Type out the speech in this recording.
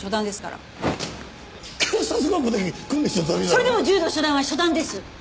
それでも柔道初段は初段です！